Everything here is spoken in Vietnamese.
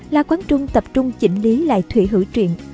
la quán trung tập trung chỉnh lý lại thủy hữu truyện